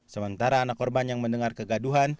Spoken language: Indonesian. sementara anak korban yang mendengar kegaduhan